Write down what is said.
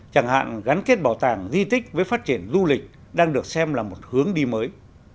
chẳng hạn gắn kết bảo tàng di tích với phát triển du lịch đang được xem là một hướng đi mới